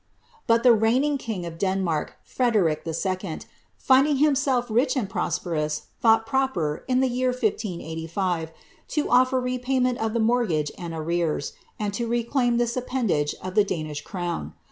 ^' But the reigning king of Denmark, Frederic II., finding himself rich and prosperous, thought proper, in the year 1585, to ofier repayment of the mortgage and arrears, and to reclaim tliis appanage of the Danish crown.